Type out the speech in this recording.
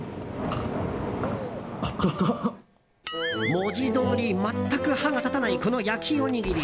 文字どおり全く歯が立たないこの焼きおにぎり。